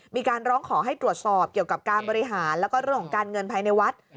มีการร้องขอให้ตรวจสอบเกี่ยวกับการบริหารแล้วก็เรื่องของการเงินภายในวัด